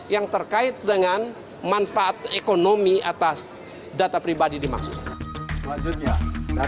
yang terkait dengan manfaat ekonomi atas data pribadi dimaksud